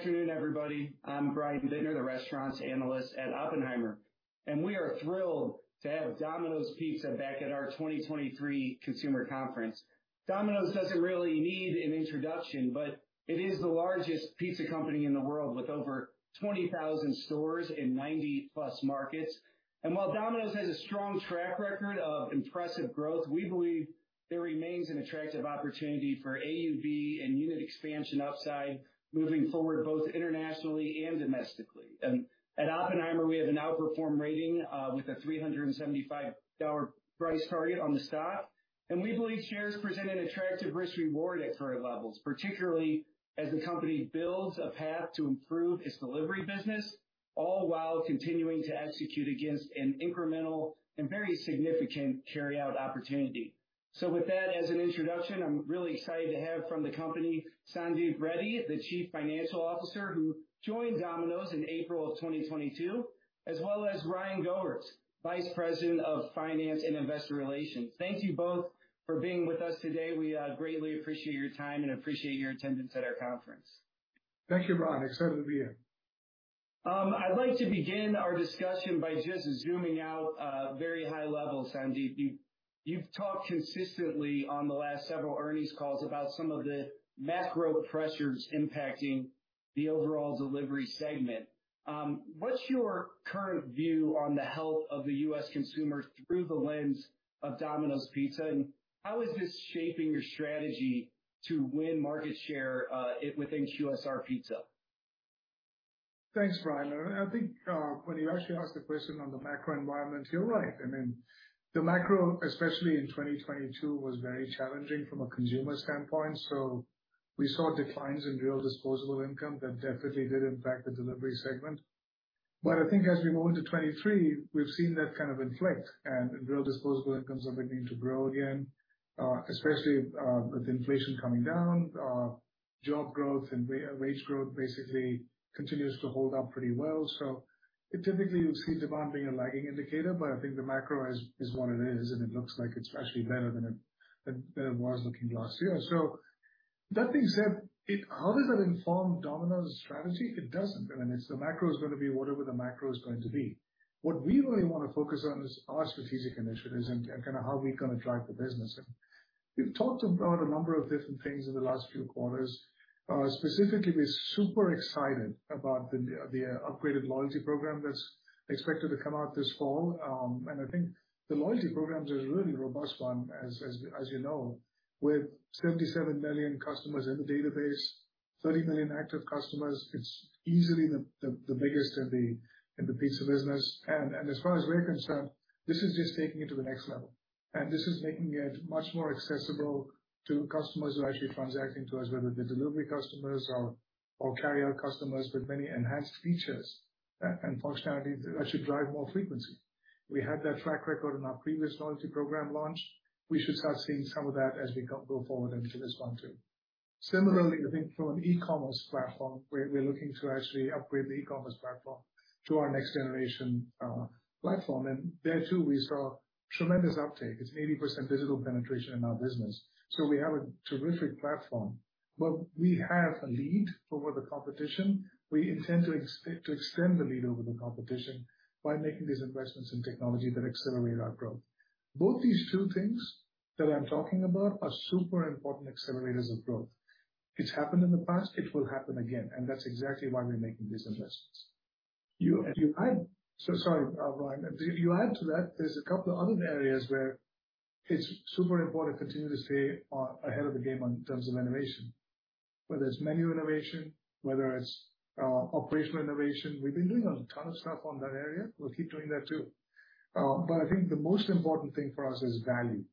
Good afternoon, everybody. I'm Brian Bittner, the restaurants analyst at Oppenheimer, We are thrilled to have Domino's Pizza back at our 2023 consumer conference. Domino's doesn't really need an introduction, but it is the largest pizza company in the world, with over 20,000 stores in 90+ markets. While Domino's has a strong track record of impressive growth, we believe there remains an attractive opportunity for AUV and unit expansion upside moving forward, both internationally and domestically. At Oppenheimer, we have an outperform rating, with a $375 price target on the stock. We believe shares present an attractive risk reward at current levels, particularly as the company builds a path to improve its delivery business, all while continuing to execute against an incremental and very significant carryout opportunity. With that as an introduction, I'm really excited to have from the company, Sandeep Reddy, the Chief Financial Officer, who joined Domino's in April of 2022, as well as Ryan Goers, Vice President of Finance and Investor Relations. Thank you both for being with us today. We greatly appreciate your time and appreciate your attendance at our conference. Thank you, Brian. Excited to be here. I'd like to begin our discussion by just zooming out, very high level, Sandeep. You've talked consistently on the last several earnings calls about some of the macro pressures impacting the overall delivery segment. What's your current view on the health of the U.S. consumer through the lens of Domino's Pizza, and how is this shaping your strategy to win market share within QSR Pizza? Thanks, Brian. I think when you actually ask the question on the macro environment, you're right. I mean, the macro, especially in 2022, was very challenging from a consumer standpoint. We saw declines in real disposable income that definitely did impact the delivery segment. I think as we move into 2023, we've seen that kind of inflect, and real disposable incomes are beginning to grow again, especially with inflation coming down, job growth and wage growth basically continues to hold up pretty well. Typically, you'll see demand being a lagging indicator, but I think the macro is what it is, and it looks like it's actually better than it was looking last year. That being said, how does that inform Domino's strategy? It doesn't. I mean, the macro is gonna be whatever the macro is going to be. What we really want to focus on is our strategic initiatives and kind of how we're gonna drive the business. We've talked about a number of different things in the last few quarters. Specifically, we're super excited about the upgraded loyalty program that's expected to come out this fall. I think the loyalty program is a really robust one, as you know, with 77 million customers in the database, 30 million active customers, it's easily the biggest in the pizza business. As far as we're concerned, this is just taking it to the next level, and this is making it much more accessible to customers who are actually transacting to us, whether they're delivery customers or carryout customers, with many enhanced features and functionality that should drive more frequency. We had that track record in our previous loyalty program launch. We should start seeing some of that as we go forward into this one, too. Similarly, I think from an e-commerce platform, we're looking to actually upgrade the e-commerce platform to our next generation platform. There, too, we saw tremendous uptake. It's 80% digital penetration in our business, so we have a terrific platform. We have a lead over the competition. We intend to extend the lead over the competition by making these investments in technology that accelerate our growth. Both these two things that I'm talking about are super important accelerators of growth. It's happened in the past, it will happen again, and that's exactly why we're making these investments. Sorry, Brian. If you add to that, there's a couple of other areas where it's super important to continue to stay ahead of the game in terms of innovation. Whether it's menu innovation, whether it's operational innovation, we've been doing a ton of stuff on that area. We'll keep doing that, too. I think the most important thing for us is value.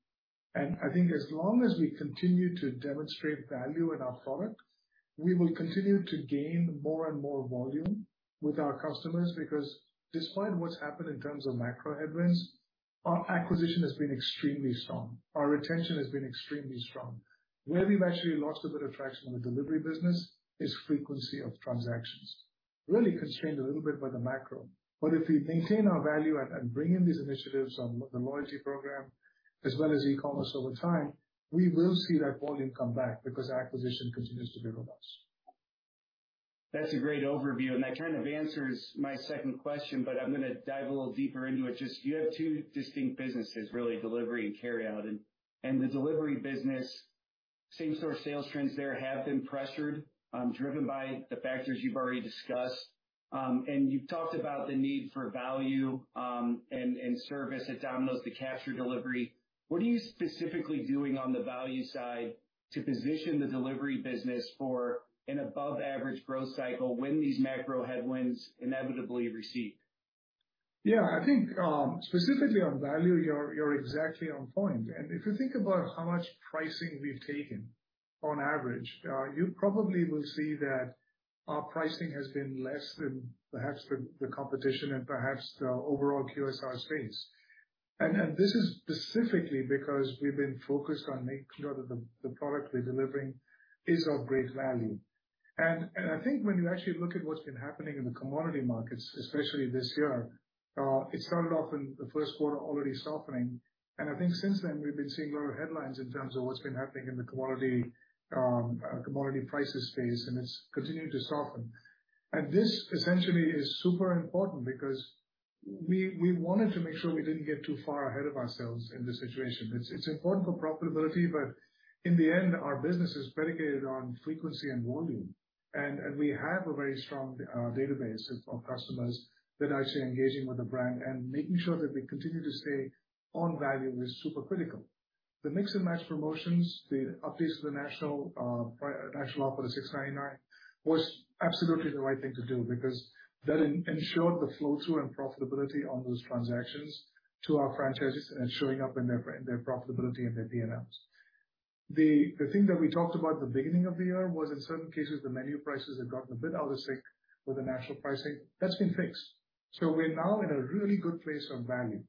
I think as long as we continue to demonstrate value in our product, we will continue to gain more and more volume with our customers, because despite what's happened in terms of macro headwinds, our acquisition has been extremely strong. Our retention has been extremely strong. Where we've actually lost a bit of traction in the delivery business is frequency of transactions. Really constrained a little bit by the macro. If we maintain our value and bring in these initiatives on the loyalty program as well as e-commerce over time, we will see that volume come back because our acquisition continues to be robust. That's a great overview. That kind of answers my second question, but I'm gonna dive a little deeper into it. Just, you have two distinct businesses, really, delivery and carryout. The delivery business, same-store sales trends there have been pressured, driven by the factors you've already discussed. You've talked about the need for value, and service at Domino's to capture delivery. What are you specifically doing on the value side to position the delivery business for an above-average growth cycle when these macro headwinds inevitably recede? Yeah. I think, specifically on value, you're exactly on point. If you think about how much pricing we've taken on average, you probably will see that our pricing has been less than perhaps the competition and perhaps the overall QSR space. This is specifically because we've been focused on making sure that the product we're delivering is of great value. I think when you actually look at what's been happening in the commodity markets, especially this year, it started off in the first quarter already softening. I think since then, we've been seeing a lot of headlines in terms of what's been happening in the commodity prices space, and it's continuing to soften. This essentially is super important because we wanted to make sure we didn't get too far ahead of ourselves in this situation. It's important for profitability, but in the end, our business is predicated on frequency and volume. We have a very strong database of customers that are actually engaging with the brand and making sure that we continue to stay on value is super critical. The Mix and Match promotions, the updates to the national offer, the $6.99, was absolutely the right thing to do because that ensured the flow-through and profitability on those transactions to our franchisees. It's showing up in their profitability and their P&Ls. The thing that we talked about at the beginning of the year was, in certain cases, the menu prices had gotten a bit out of sync with the national pricing. That's been fixed. We're now in a really good place on value.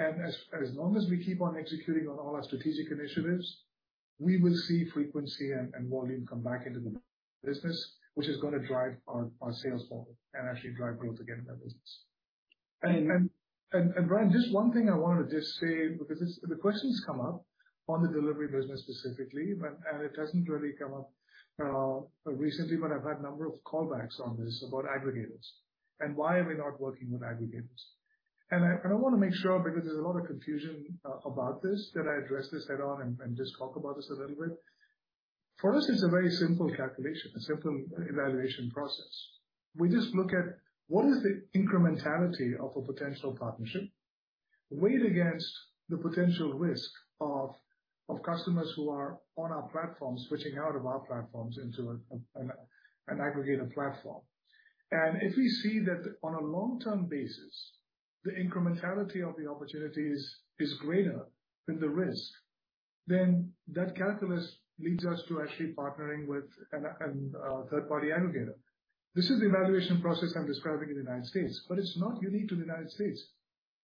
As long as we keep on executing on all our strategic initiatives, we will see frequency and volume come back into the business, which is gonna drive our sales model and actually drive growth again in our business. Brian, just one thing I wanted to just say, because The question's come up on the delivery business specifically, but it hasn't really come up recently, but I've had a number of callbacks on this, about aggregators, and why are we not working with aggregators? I wanna make sure, because there's a lot of confusion about this, that I address this head-on and just talk about this a little bit. For us, it's a very simple calculation, a simple evaluation process. We just look at what is the incrementality of a potential partnership, weighed against the potential risk of customers who are on our platform switching out of our platforms into an aggregator platform. If we see that on a long-term basis, the incrementality of the opportunities is greater than the risk, then that calculus leads us to actually partnering with a third-party aggregator. This is the evaluation process I'm describing in the United States, but it's not unique to the United States.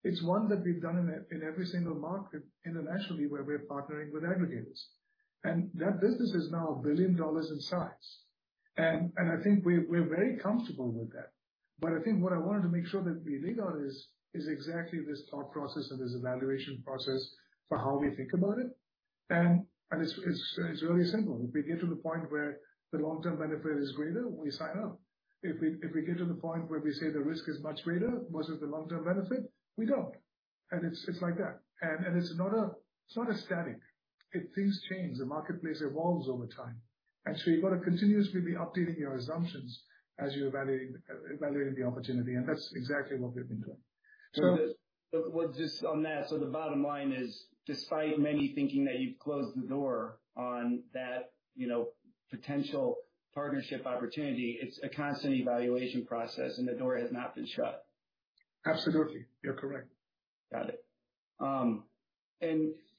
It's one that we've done in every single market internationally, where we're partnering with aggregators. That business is now $1 billion in size, and I think we're very comfortable with that. I think what I wanted to make sure that we lead on is exactly this thought process and this evaluation process for how we think about it. It's really simple. If we get to the point where the long-term benefit is greater, we sign up. If we get to the point where we say the risk is much greater, most of the long-term benefit, we don't. It's like that. It's not a static. If things change, the marketplace evolves over time. You've got to continuously be updating your assumptions as you're evaluating the opportunity, and that's exactly what we've been doing. Just on that, so the bottom line is, despite many thinking that you've closed the door on that, you know, potential partnership opportunity, it's a constant evaluation process, and the door has not been shut. Absolutely. You're correct. Got it.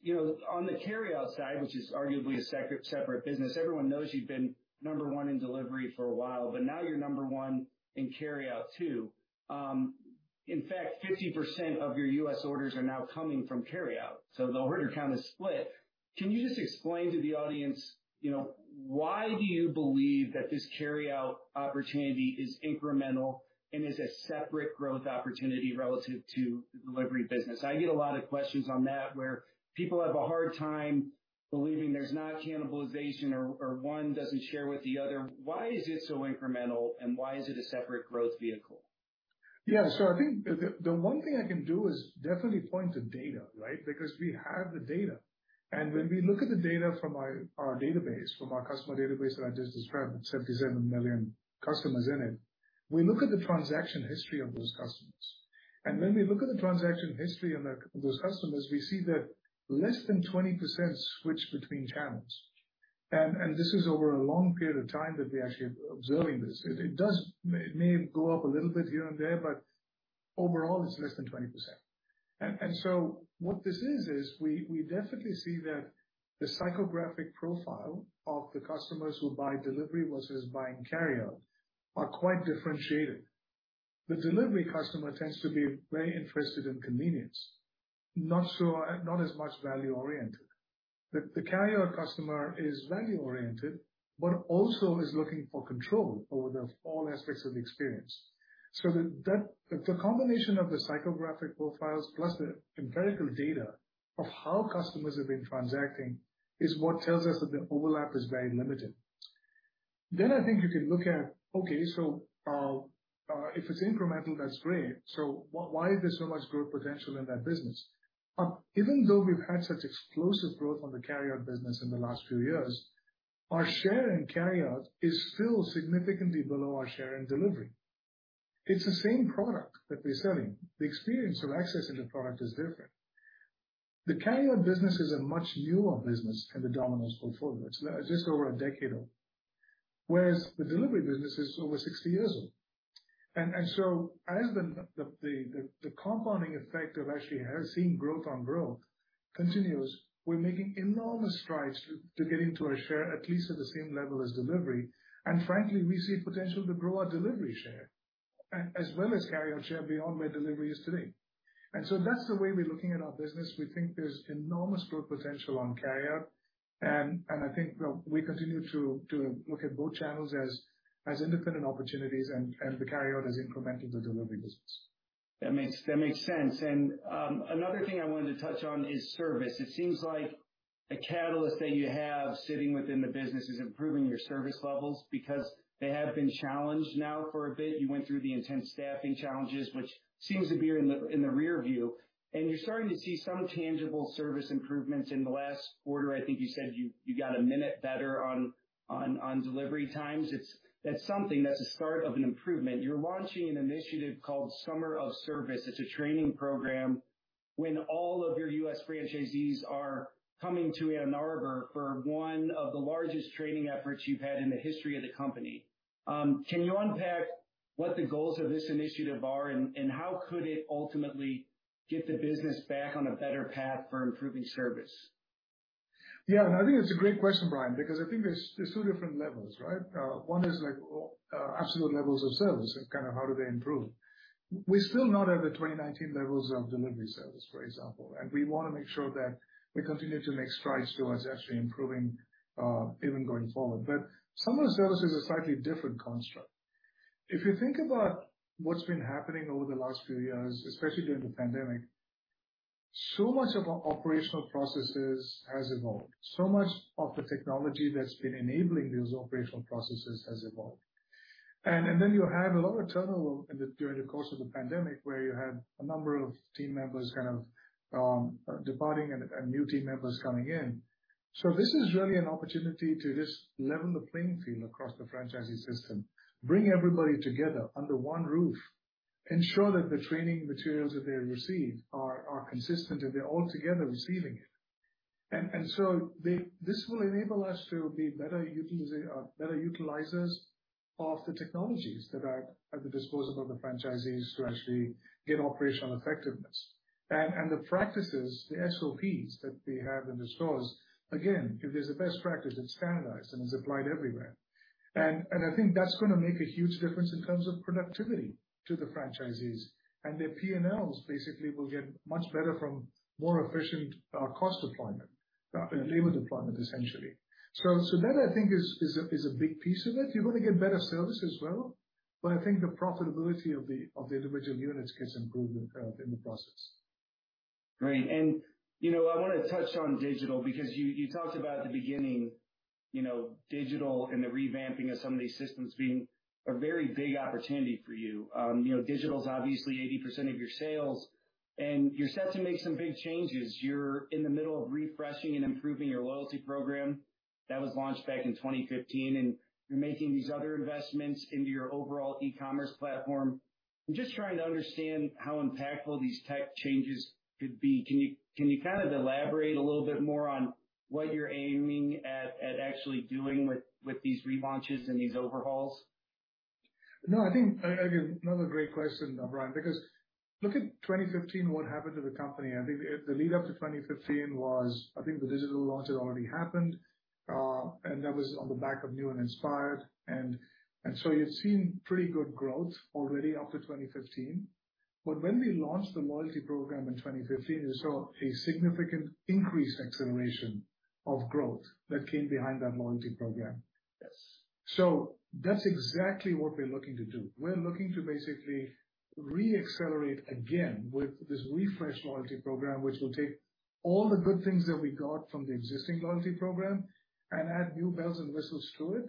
You know, on the carryout side, which is arguably a separate business, everyone knows you've been number one in delivery for a while, but now you're number one in carryout, too. In fact, 50% of your U.S. orders are now coming from carryout, so the order count is split. Can you just explain to the audience, you know, why do you believe that this carryout opportunity is incremental and is a separate growth opportunity relative to the delivery business? I get a lot of questions on that, where people have a hard time believing there's not cannibalization or one doesn't share with the other. Why is it so incremental, and why is it a separate growth vehicle? I think the one thing I can do is definitely point to data, right? Because we have the data. When we look at the data from our database, from our customer database that I just described, with 77 million customers in it, we look at the transaction history of those customers. When we look at the transaction history of those customers, we see that less than 20% switch between channels. This is over a long period of time that we're actually observing this. It may go up a little bit here and there, but overall, it's less than 20%. What this is we definitely see that the psychographic profile of the customers who buy delivery versus buying carryout are quite differentiated. The delivery customer tends to be very interested in convenience, not so, not as much value-oriented. The carryout customer is value-oriented, but also is looking for control over the all aspects of the experience. The combination of the psychographic profiles, plus the empirical data of how customers have been transacting, is what tells us that the overlap is very limited. I think you can look at, okay, if it's incremental, that's great. Why is there so much growth potential in that business? Even though we've had such explosive growth on the carryout business in the last few years, our share in carryout is still significantly below our share in delivery. It's the same product that we're selling. The experience of accessing the product is different. The carryout business is a much newer business in the Domino's portfolio. It's just over a decade old, whereas the delivery business is over 60 years old. As the compounding effect of actually having seen growth on growth continues, we're making enormous strides to getting to a share at least at the same level as delivery. Frankly, we see potential to grow our delivery share, as well as carryout share beyond where delivery is today. That's the way we're looking at our business. We think there's enormous growth potential on carryout, I think we continue to look at both channels as independent opportunities, the carryout is incremental to delivery business. That makes sense. Another thing I wanted to touch on is service. It seems like a catalyst that you have sitting within the business is improving your service levels because they have been challenged now for a bit. You went through the intense staffing challenges, which seems to be in the rearview, and you're starting to see some tangible service improvements. In the last quarter, I think you said you got a minute better on delivery times. That's something, that's the start of an improvement. You're launching an initiative called Summer of Service. It's a training program when all of your U.S. franchisees are coming to Ann Arbor for one of the largest training efforts you've had in the history of the company. Can you unpack what the goals of this initiative are, and how could it ultimately get the business back on a better path for improving service? Yeah, I think it's a great question, Brian, because I think there's two different levels, right? One is like absolute levels of service and kind of how do they improve. We're still not at the 2019 levels of delivery service, for example, and we wanna make sure that we continue to make strides towards actually improving even going forward. Summer of Service is a slightly different construct. If you think about what's been happening over the last few years, especially during the pandemic, so much of our operational processes has evolved. So much of the technology that's been enabling these operational processes has evolved. Then you had a lot of turnover in the during the course of the pandemic, where you had a number of team members kind of departing and new team members coming in. This is really an opportunity to just level the playing field across the franchisee system, bring everybody together under one roof, ensure that the training materials that they receive are consistent, and they're all together receiving it. This will enable us to be better utilizers of the technologies that are at the disposal of the franchisees to actually get operational effectiveness. The practices, the SOPs that we have in the stores, again, if there's a best practice, it's standardized, and it's applied everywhere. I think that's gonna make a huge difference in terms of productivity to the franchisees, and their P&Ls basically will get much better from more efficient, cost deployment, labor deployment, essentially. That, I think, is a big piece of it. You're gonna get better service as well, but I think the profitability of the individual units gets improved in the process. Great. You know, I wanna touch on digital, because you talked about the beginning, you know, digital and the revamping of some of these systems being a very big opportunity for you. You know, digital is obviously 80% of your sales, and you're set to make some big changes. You're in the middle of refreshing and improving your loyalty program. That was launched back in 2015. You're making these other investments into your overall e-commerce platform. I'm just trying to understand how impactful these tech changes could be. Can you kind of elaborate a little bit more on what you're aiming at actually doing with these relaunches and these overhauls? No, I think, again, another great question, Brian, because look at 2015, what happened to the company. I think the lead up to 2015 was, I think the digital launch had already happened, and that was on the back of New and Inspired. So you'd seen pretty good growth already up to 2015. When we launched the loyalty program in 2015, you saw a significant increase acceleration of growth that came behind that loyalty program. Yes. That's exactly what we're looking to do. We're looking to basically re-accelerate again with this refreshed loyalty program, which will take all the good things that we got from the existing loyalty program and add new bells and whistles to it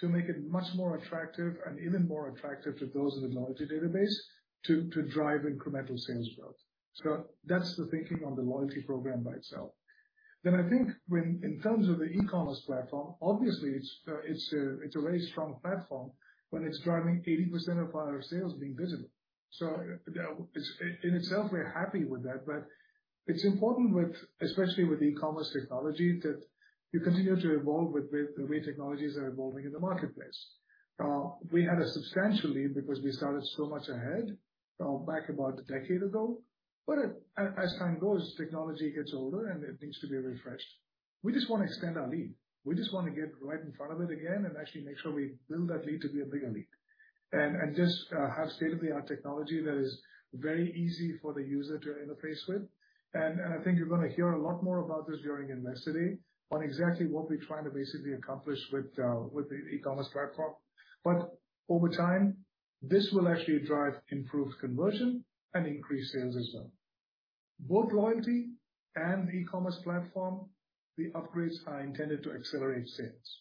to make it much more attractive and even more attractive to those in the loyalty database to drive incremental sales growth. That's the thinking on the loyalty program by itself. I think when, in terms of the e-commerce platform, obviously, it's a very strong platform when it's driving 80% of our sales being digital. In itself, we're happy with that, but it's important with, especially with e-commerce technology, that you continue to evolve with the way technologies are evolving in the marketplace. We had a substantial lead because we started so much ahead, back about a decade ago. As time goes, technology gets older, and it needs to be refreshed. We just wanna extend our lead. We just wanna get right in front of it again and actually make sure we build that lead to be a bigger lead. Just have state-of-the-art technology that is very easy for the user to interface with. I think you're gonna hear a lot more about this during Investor Day on exactly what we're trying to basically accomplish with the e-commerce platform. Over time, this will actually drive improved conversion and increase sales as well. Both loyalty and e-commerce platform, the upgrades are intended to accelerate sales.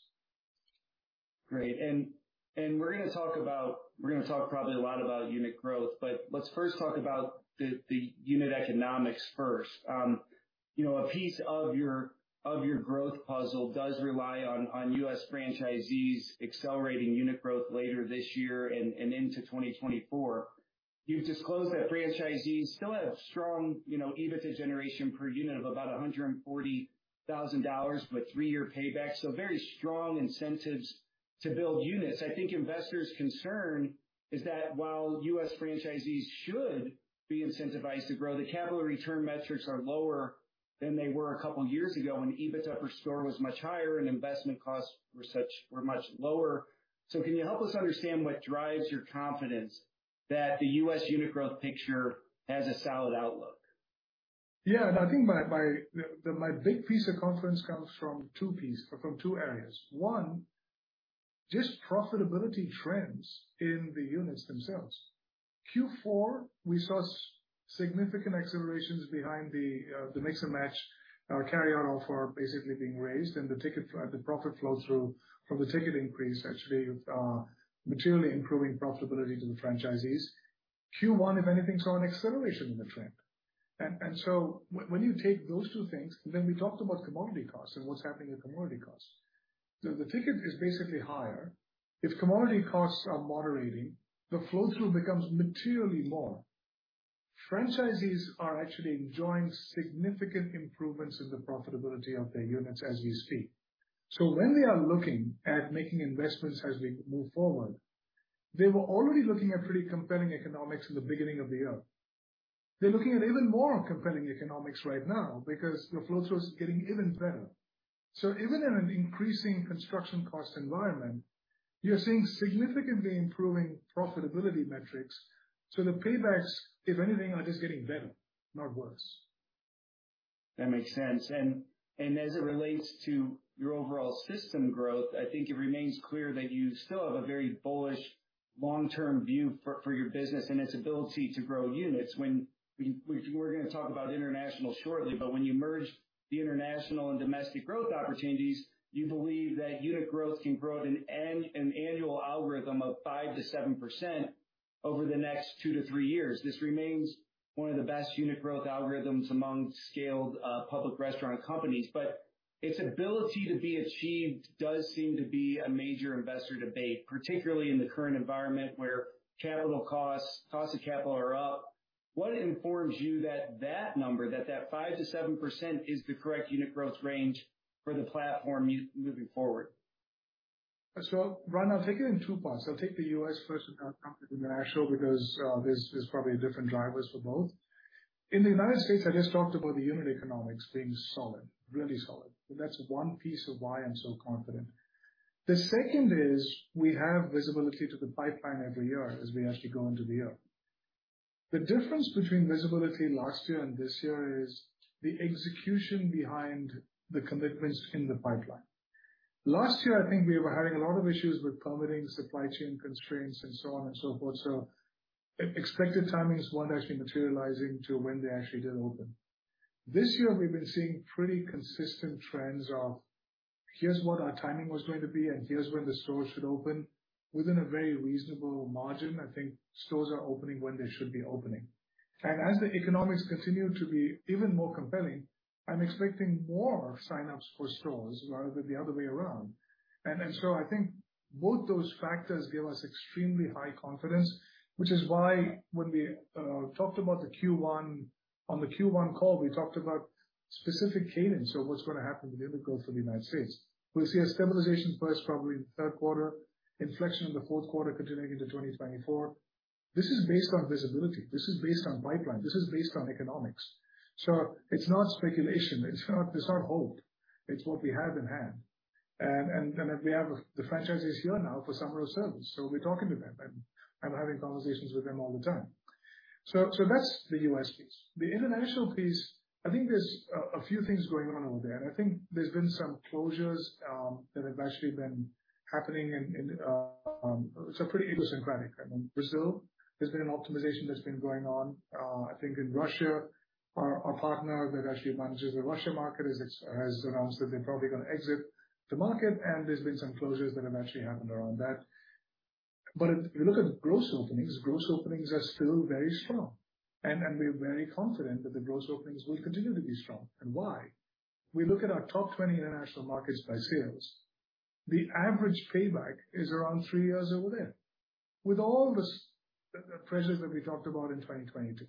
Great. We're gonna talk probably a lot about unit growth, but let's first talk about the unit economics first. you know, a piece of your, of your growth puzzle does rely on U.S. franchisees accelerating unit growth later this year and into 2024. You've disclosed that franchisees still have strong, you know, EBITDA generation per unit of about $140,000, but three-year payback, so very strong incentives to build units. I think investors' concern is that while U.S. franchisees should be incentivized to grow, the capital return metrics are lower than they were a couple years ago, when EBITDA per store was much higher and investment costs were such, were much lower. Can you help us understand what drives your confidence that the U.S. unit growth picture has a solid outlook? Yeah. I think my big piece of confidence comes from two areas. One. Just profitability trends in the units themselves. Q4, we saw significant accelerations behind the Mix and Match carryout offer basically being raised and the ticket, the profit flow through from the ticket increase actually materially improving profitability to the franchisees. Q1, if anything, saw an acceleration in the trend. When you take those two things, we talked about commodity costs and what's happening with commodity costs. The ticket is basically higher. If commodity costs are moderating, the flow-through becomes materially more. Franchisees are actually enjoying significant improvements in the profitability of their units, as you see. When they are looking at making investments as we move forward, they were already looking at pretty compelling economics in the beginning of the year. They're looking at even more compelling economics right now because the flow-through is getting even better. Even in an increasing construction cost environment, you're seeing significantly improving profitability metrics, so the paybacks, if anything, are just getting better, not worse. That makes sense. As it relates to your overall system growth, I think it remains clear that you still have a very bullish long-term view for your business and its ability to grow units. We're gonna talk about international shortly, but when you merge the international and domestic growth opportunities, you believe that unit growth can grow at an annual algorithm of 5% to 7% over the next two to three years. This remains one of the best unit growth algorithms among scaled public restaurant companies, but its ability to be achieved does seem to be a major investor debate, particularly in the current environment, where capital costs of capital are up. What informs you that number, that 5% to 7% is the correct unit growth range for the platform moving forward? Brian, I'll take it in two parts. I'll take the U.S. first and then international, because there's probably different drivers for both. In the United States, I just talked about the unit economics being solid, really solid. That's one piece of why I'm so confident. The second is we have visibility to the pipeline every year as we actually go into the year. The difference between visibility last year and this year is the execution behind the commitments in the pipeline. Last year, I think we were having a lot of issues with permitting, supply chain constraints, and so on and so forth, so expected timings weren't actually materializing to when they actually did open. This year, we've been seeing pretty consistent trends of: Here's what our timing was going to be, and here's when the stores should open. Within a very reasonable margin, I think stores are opening when they should be opening. As the economics continue to be even more compelling, I'm expecting more signups for stores rather than the other way around. So I think both those factors give us extremely high confidence, which is why on the Q1 call, we talked about specific cadence of what's going to happen with unit growth for the United States. We'll see a stabilization first, probably in the third quarter, inflection in the fourth quarter, continuing into 2024. This is based on visibility, this is based on pipeline, this is based on economics. So it's not speculation, it's not hope. It's what we have in hand. We have the franchisees here now for Summer of Service, so we're talking to them and having conversations with them all the time. That's the U.S. piece. The international piece, I think there's a few things going on over there, and I think there's been some closures that have actually been happening in, so pretty idiosyncratic. I mean, Brazil, there's been an optimization that's been going on. I think in Russia, our partner that actually manages the Russia market has announced that they're probably gonna exit the market, and there's been some closures that have actually happened around that. If you look at gross openings, gross openings are still very strong, and we're very confident that the gross openings will continue to be strong. Why? We look at our top 20 international markets by sales, the average payback is around three years over there, with all the pressures that we talked about in 2022.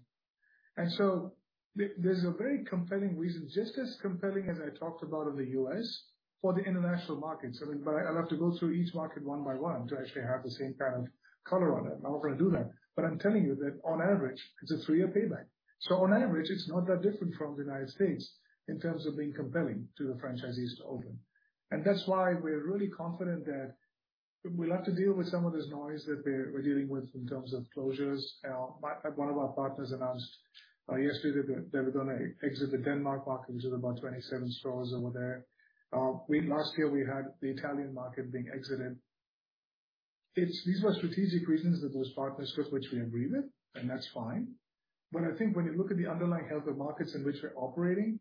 There's a very compelling reason, just as compelling as I talked about in the U.S., for the international markets. I mean, I'll have to go through each market one by one to actually have the same kind of color on it, I'm not gonna do that. I'm telling you that on average, it's a three-year payback. On average, it's not that different from the United States in terms of being compelling to the franchisees to open. That's why we're really confident that we'll have to deal with some of this noise that we're dealing with in terms of closures. One of our partners announced yesterday that they were gonna exit the Denmark market, which is about 27 stores over there. Last year, we had the Italian market being exited. These were strategic reasons that those partners took, which we agree with, and that's fine. I think when you look at the underlying health of markets in which we're operating,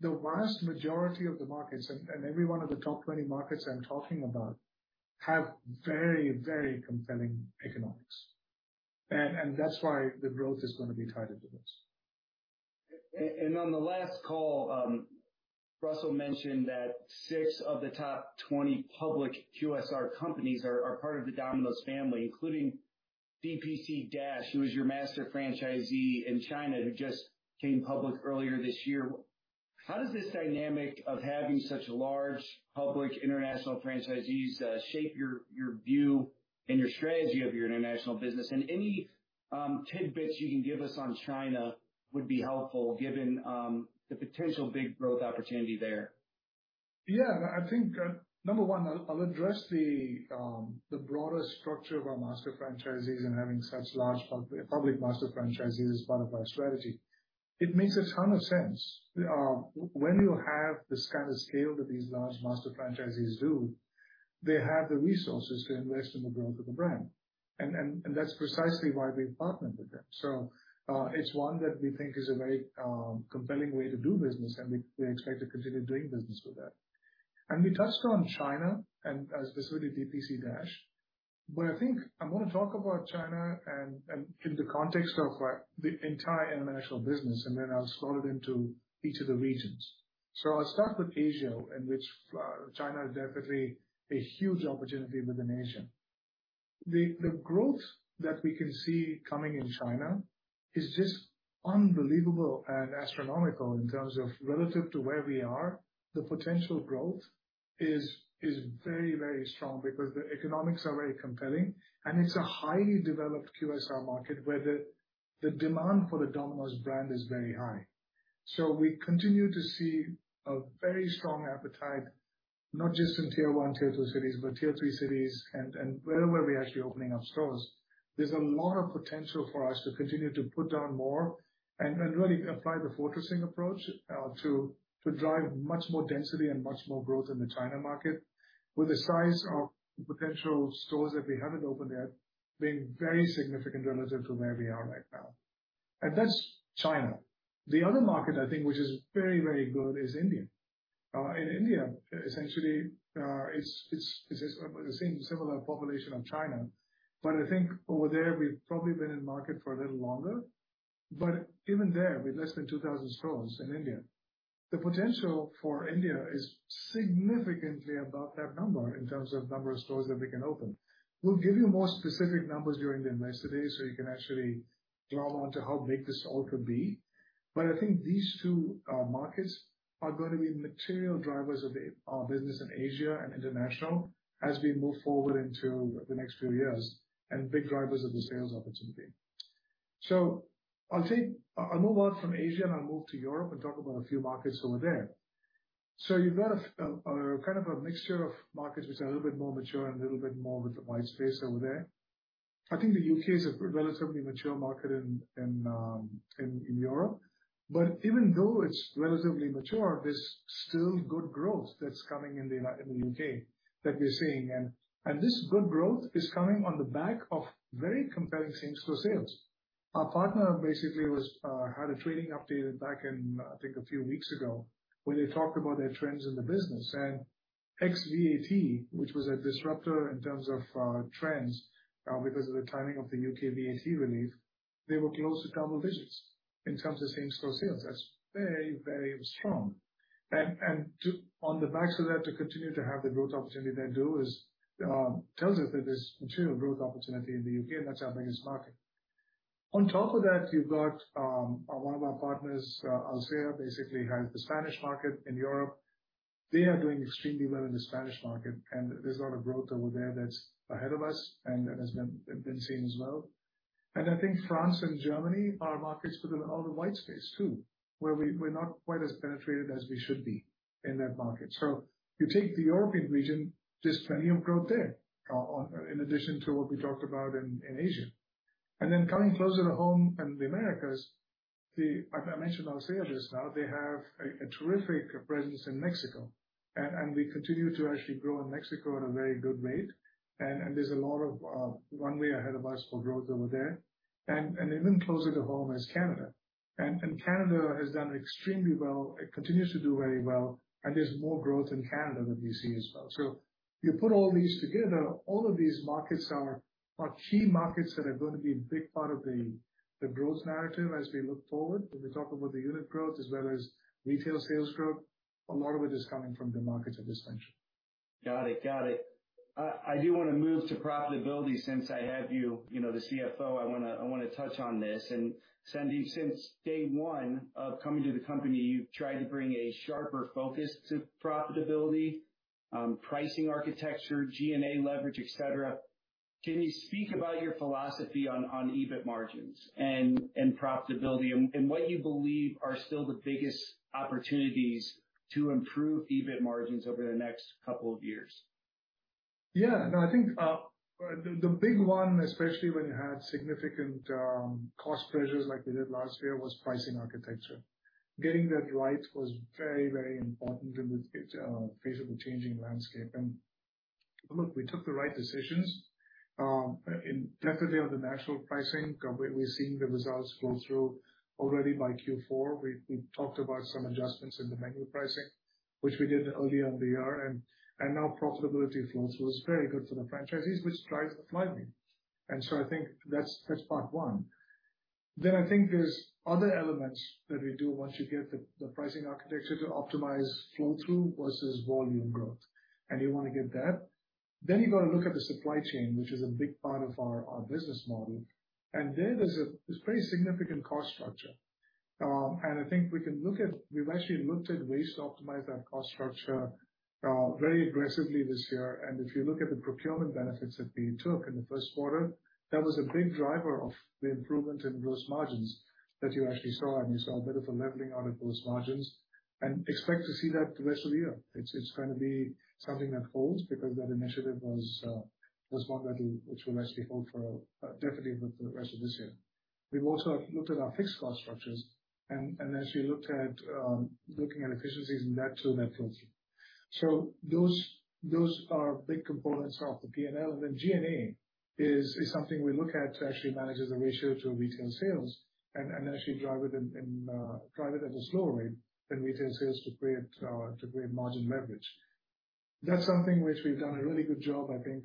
the vast majority of the markets, and every one of the top 20 markets I'm talking about, have very, very compelling economics. That's why the growth is gonna be tied into this. On the last call, Russell mentioned that six of the top 20 public QSR companies are part of the Domino's family, including DPC Dash, who is your master franchisee in China, who just came public earlier this year. How does this dynamic of having such large public international franchisees shape your view and your strategy of your international business? Any tidbits you can give us on China would be helpful, given the potential big growth opportunity there. Yeah, I think, number one, I'll address the broader structure of our master franchisees and having such large public master franchisees as part of our strategy. It makes a ton of sense. When you have the scale that these large master franchisees do, they have the resources to invest in the growth of the brand, and that's precisely why we partnered with them. It's one that we think is a very compelling way to do business, and we expect to continue doing business with them. We touched on China and specifically DPC Dash. I think I'm going to talk about China and in the context of the entire international business, and then I'll scroll it into each of the regions. I'll start with Asia, in which China is definitely a huge opportunity within Asia. The growth that we can see coming in China is just unbelievable and astronomical in terms of relative to where we are. The potential growth is very, very strong because the economics are very compelling, and it's a highly developed QSR market where the demand for the Domino's brand is very high. We continue to see a very strong appetite, not just in Tier 1, Tier 2 cities, but Tier 3 cities and wherever we're actually opening up stores. There's a lot of potential for us to continue to put down more and really apply the fortressing approach to drive much more density and much more growth in the China market, with the size of potential stores that we haven't opened yet being very significant relative to where we are right now. That's China. The other market, I think, which is very, very good, is India. In India, essentially, it's the same similar population of China, but I think over there, we've probably been in market for a little longer. Even there, with less than 2,000 stores in India, the potential for India is significantly above that number in terms of number of stores that we can open. We'll give you more specific numbers during the Investor Day, so you can actually draw on to how big this all could be. I think these two markets are going to be material drivers of a, our business in Asia and international as we move forward into the next few years, and big drivers of the sales opportunity. I'll move on from Asia, and I'll move to Europe and talk about a few markets over there. You've got a kind of a mixture of markets, which are a little bit more mature and a little bit more with the white space over there. I think the U.K. is a relatively mature market in Europe, but even though it's relatively mature, there's still good growth that's coming in the U.K. that we're seeing. This good growth is coming on the back of very compelling same-store sales. Our partner basically was had a trading update back in, I think, a few weeks ago, where they talked about their trends in the business. Ex-VAT, which was a disruptor in terms of trends, because of the timing of the U.K. VAT relief, they were close to double digits in terms of same-store sales. That's very strong. To, on the backs of that, to continue to have the growth opportunity they do, is tells us that there's material growth opportunity in the U.K., and that's our biggest market. On top of that, you've got one of our partners, Alsea, basically has the Spanish market in Europe. They are doing extremely well in the Spanish market. There's a lot of growth over there that's ahead of us and that has been seen as well. I think France and Germany are markets with a lot of white space, too, where we're not quite as penetrated as we should be in that market. You take the European region, there's plenty of growth there, in addition to what we talked about in Asia. Coming closer to home in the Americas, I mentioned Alsea just now. They have a terrific presence in Mexico, and we continue to actually grow in Mexico at a very good rate. There's a lot of runway ahead of us for growth over there. Even closer to home is Canada. Canada has done extremely well. It continues to do very well, there's more growth in Canada that we see as well. You put all these together, all of these markets are key markets that are going to be a big part of the growth narrative as we look forward. When we talk about the unit growth as well as retail sales growth, a lot of it is coming from the markets I just mentioned. Got it, got it. I do want to move to profitability since I have you know, the CFO, I wanna touch on this. Sandeep, since day one of coming to the company, you've tried to bring a sharper focus to profitability, pricing, architecture, G&A leverage, et cetera. Can you speak about your philosophy on EBIT margins and profitability, and what you believe are still the biggest opportunities to improve EBIT margins over the next couple of years? Yeah. No, I think, the big one, especially when you had significant cost pressures like we did last year, was pricing architecture. Getting that right was very important in this face of the changing landscape. Look, we took the right decisions, in definitely on the national pricing, we're seeing the results flow through. Already by Q4, we talked about some adjustments in the menu pricing, which we did earlier in the year, and now profitability flow, so it's very good for the franchisees, which drives the funding. I think that's part one. I think there's other elements that we do once you get the pricing architecture to optimize flow-through versus volume growth, and you want to get that. You've got to look at the supply chain, which is a big part of our business model. There's a pretty significant cost structure. I think we've actually looked at ways to optimize that cost structure very aggressively this year. If you look at the procurement benefits that we took in the first quarter, that was a big driver of the improvement in gross margins that you actually saw, and you saw a bit of a leveling out of those margins and expect to see that the rest of the year. It's gonna be something that holds because that initiative was one that will, which will actually hold for definitely for the rest of this year. We've also looked at our fixed cost structures, and as we looked at, looking at efficiencies in that too, that helps you. Those are big components of the P&L. Then G&A is something we look at to actually manage as a ratio to retail sales and actually drive it in, drive it as a slower rate than retail sales to create margin leverage. That's something which we've done a really good job, I think,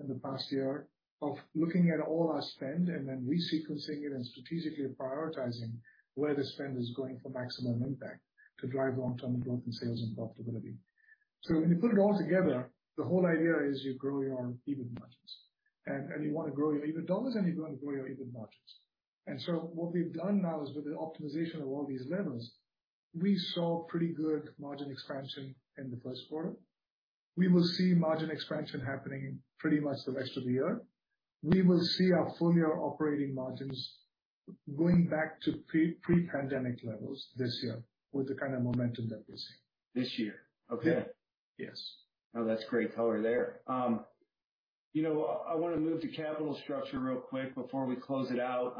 in the past year, of looking at all our spend and then resequencing it and strategically prioritizing where the spend is going for maximum impact to drive long-term growth in sales and profitability. When you put it all together, the whole idea is you grow your EBIT margins, and you wanna grow your EBIT dollars, and you wanna grow your EBIT margins. What we've done now is, with the optimization of all these levers, we saw pretty good margin expansion in the first quarter. We will see margin expansion happening pretty much the rest of the year. We will see our full-year operating margins going back to pre-pandemic levels this year with the kind of momentum that we're seeing. This year? Okay. Yeah. Yes. Oh, that's great color there. You know, I wanna move to capital structure real quick before we close it out.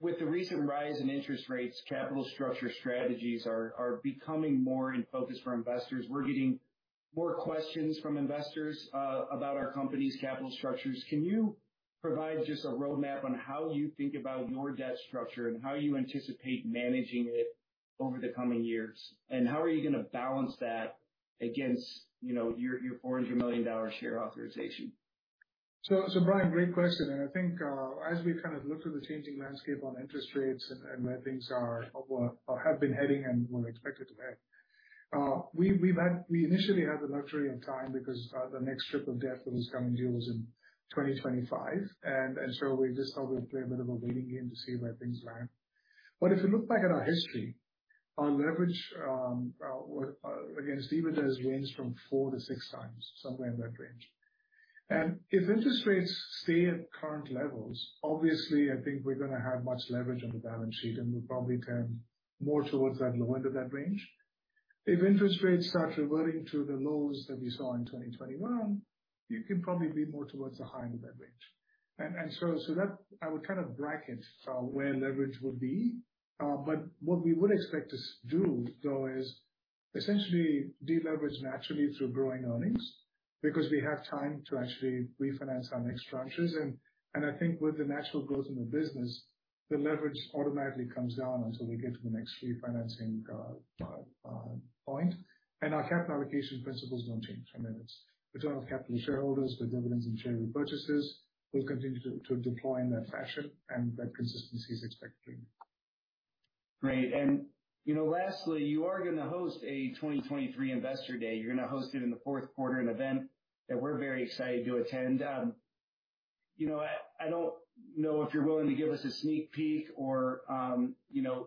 With the recent rise in interest rates, capital structure strategies are becoming more in focus for investors. We're getting more questions from investors about our company's capital structures. Can you provide just a roadmap on how you think about your debt structure and how you anticipate managing it over the coming years? How are you gonna balance that against, you know, your $400 million share authorization? Brian, great question, and I think as we've kind of looked at the changing landscape on interest rates and where things are or have been heading and where we're expected to head, we initially had the luxury of time because the next trip of debt that was coming due was in 2025. We just thought we'd play a bit of a waiting game to see where things land. If you look back at our history, our leverage against EBITDA has ranged from four to six times, somewhere in that range. If interest rates stay at current levels, obviously I think we're gonna have much leverage on the balance sheet, and we'll probably turn more towards that lower end of that range. If interest rates start reverting to the lows that we saw in 2021, you can probably be more towards the higher end of that range. That I would kind of bracket where leverage would be. What we would expect to do, though, is essentially deleverage naturally through growing earnings, because we have time to actually refinance our next structures. I think with the natural growth in the business, the leverage automatically comes down until we get to the next refinancing point. Our capital allocation principles don't change. I mean, it's return of capital to shareholders with dividends and share repurchases. We'll continue to deploy in that fashion, and that consistency is expected. Great. You know, lastly, you are gonna host a 2023 Investor Day. You're gonna host it in the fourth quarter, an event that we're very excited to attend. You know, I don't know if you're willing to give us a sneak peek or, you know,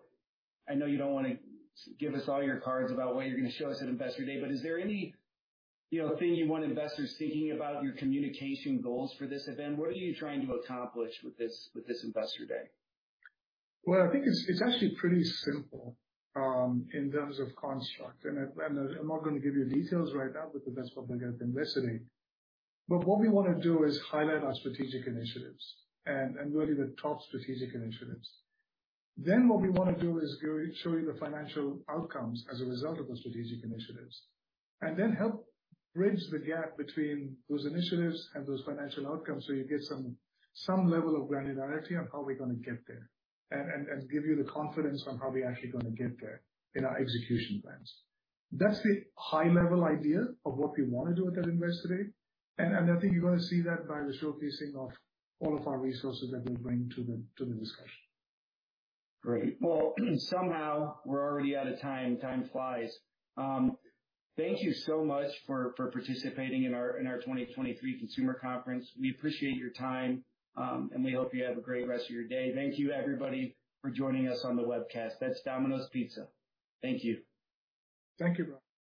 I know you don't wanna give us all your cards about what you're gonna show us at Investor Day, but is there any, you know, thing you want investors thinking about your communication goals for this event? What are you trying to accomplish with this Investor Day? Well, I think it's actually pretty simple in terms of construct. I'm not gonna give you details right now, but that's what we're gonna be listening. What we wanna do is highlight our strategic initiatives and really the top strategic initiatives. What we wanna do is go show you the financial outcomes as a result of those strategic initiatives, and then help bridge the gap between those initiatives and those financial outcomes, so you get some level of granularity on how we're gonna get there, and give you the confidence on how we're actually gonna get there in our execution plans. That's the high-level idea of what we want to do with that Investor Day, and I think you're gonna see that by the showcasing of all of our resources that we'll bring to the discussion. Great. Well, somehow we're already out of time. Time flies. Thank you so much for participating in our 2023 Consumer Conference. We appreciate your time, and we hope you have a great rest of your day. Thank you, everybody, for joining us on the webcast. That's Domino's Pizza. Thank you. Thank you, Brian.